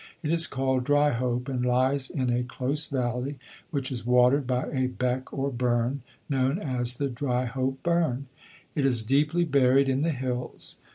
It is called Dryhope, and lies in a close valley, which is watered by a beck or burn, known as the Dryhope Burn. It is deeply buried in the hills.